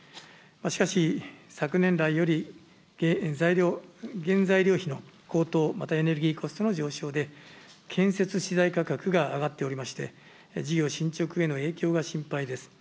しかし、昨年来より、原材料費の高騰、またエネルギーコストの上昇で、建設資材価格が上がっておりまして、事業進捗への影響が心配です。